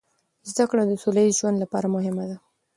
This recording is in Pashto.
زده کړه د سوله ییز ژوند لپاره مهمه ده.